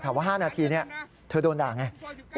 แต่ว่า๕นาทีนี้เธอโดนด่าไง